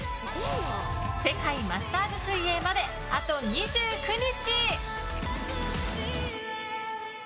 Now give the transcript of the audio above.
世界マスターズ水泳まであと２９日。